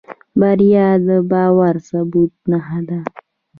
بریا د باور د ثبوت نښه ده.